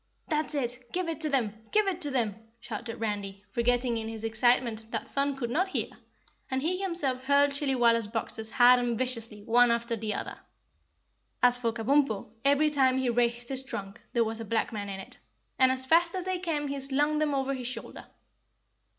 "That's it! Give it to them! Give it to them!" shouted Randy, forgetting in his excitement that Thun could not hear, and he himself hurled Chillywalla's boxes hard and viciously and one after the other. As for Kabumpo, every time he raised his trunk there was a black man in it, and as fast as they came he slung them over his shoulder.